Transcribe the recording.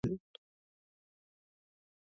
نو د هغوی پر سر کینول شوي پولیس، افسران، واکمن